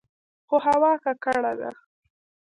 خو هوا ککړه ده.